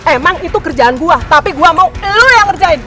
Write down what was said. emang itu kerjaan gua tapi gua mau elu yang ngerjain